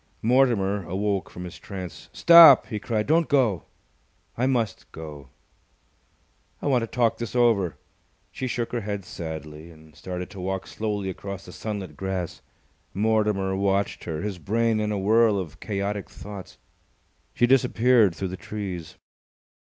Mortimer awoke from his trance. "Stop!" he cried. "Don't go!" "I must go." "I want to talk this over." She shook her head sadly and started to walk slowly across the sunlit grass. Mortimer watched her, his brain in a whirl of chaotic thoughts. She disappeared through the trees.